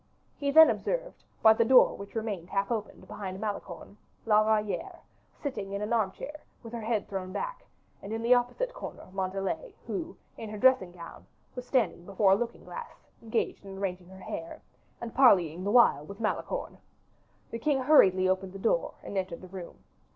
He then observed, by the door which remained half opened behind Malicorne, La Valliere, sitting in an armchair with her head thrown back, and in the opposite corner Montalais, who, in her dressing gown, was standing before a looking glass, engaged in arranging her hair, and parleying the while with Malicorne. The king hurriedly opened the door and entered the room.